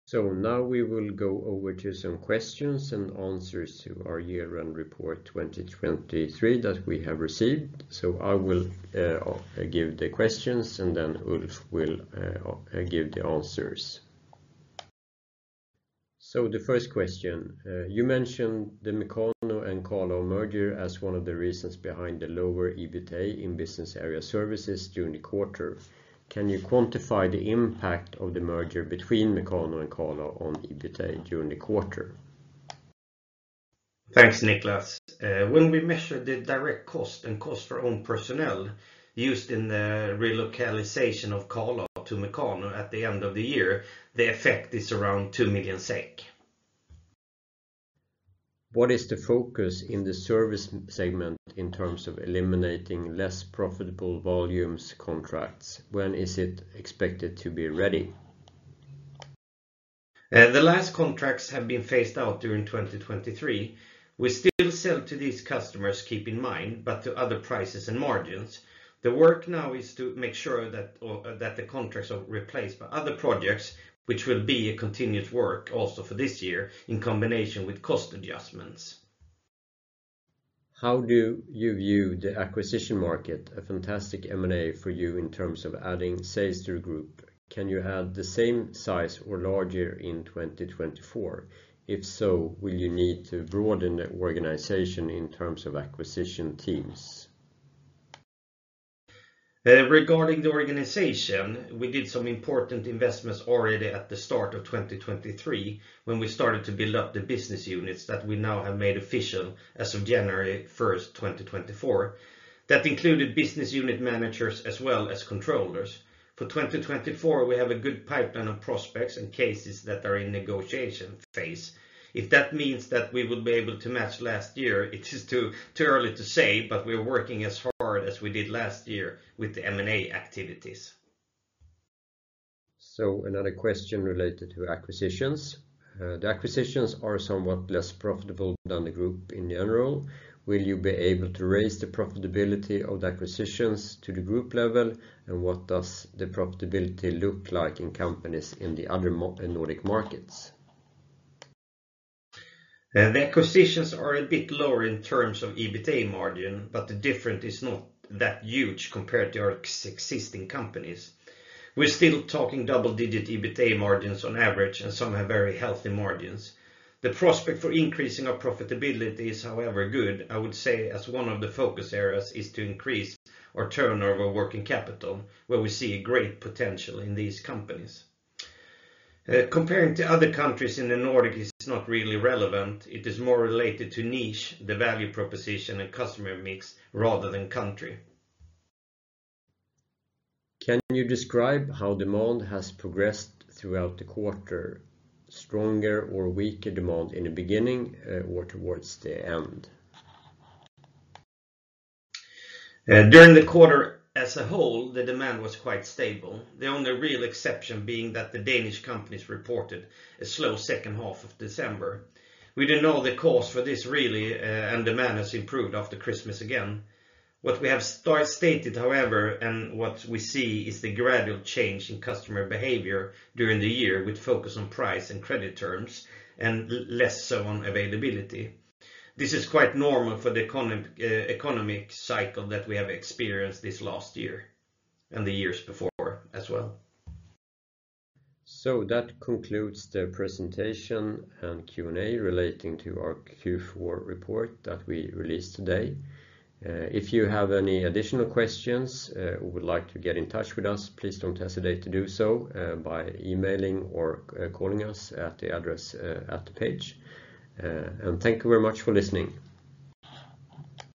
Now we will go over to some questions and answers to our year-end report 2023 that we have received. I will give the questions and then Ulf will give the answers. The first question. You mentioned the Mekano and Carl A merger as one of the reasons behind the lower EBITA in business area services during the quarter. Can you quantify the impact of the merger between Mekano and Carl A on EBITA during the quarter? Thanks, Niklas. When we measured the direct cost and cost for own personnel used in the relocalization of Carl A to Mekano at the end of the year, the effect is around 2 million SEK. What is the focus in the service segment in terms of eliminating less profitable volumes contracts? When is it expected to be ready? The last contracts have been phased out during 2023. We still sell to these customers, keep in mind, but to other prices and margins. The work now is to make sure that the contracts are replaced by other projects, which will be a continuous work also for this year in combination with cost adjustments. How do you view the acquisition market? A fantastic M&A for you in terms of adding sales to the group. Can you add the same size or larger in 2024? If so, will you need to broaden the organization in terms of acquisition teams? Regarding the organization, we did some important investments already at the start of 2023 when we started to build up the business units that we now have made official as of January 1st, 2024. That included business unit managers as well as controllers. For 2024, we have a good pipeline of prospects and cases that are in negotiation phase. If that means that we will be able to match last year, it is too early to say, but we're working as hard as we did last year with the M&A activities. Another question related to acquisitions. The acquisitions are somewhat less profitable than the group in general. Will you be able to raise the profitability of the acquisitions to the group level? What does the profitability look like in companies in the other Nordic markets? The acquisitions are a bit lower in terms of EBITA margin, but the difference is not that huge compared to our existing companies. We're still talking double-digit EBITA margins on average, and some have very healthy margins. The prospect for increasing our profitability is, however, good. I would say as one of the focus areas is to increase our working capital turnover, where we see a great potential in these companies. Comparing to other countries in the Nordic is not really relevant. It is more related to niche, the value proposition, and customer mix rather than country. Can you describe how demand has progressed throughout the quarter? Stronger or weaker demand in the beginning or towards the end? During the quarter as a whole, the demand was quite stable. The only real exception being that the Danish companies reported a slow second half of December. We didn't know the cause for this really. Demand has improved after Christmas again. What we have stated, however, and what we see is the gradual change in customer behavior during the year, with focus on price and credit terms and less so on availability. This is quite normal for the economic cycle that we have experienced this last year and the years before as well. That concludes the presentation and Q&A relating to our Q4 report that we released today. If you have any additional questions or would like to get in touch with us, please don't hesitate to do so by emailing or calling us at the address at the page. Thank you very much for listening.